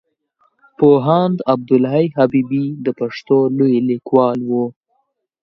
پوهاند عبدالحی حبيبي د پښتو لوی ليکوال وو.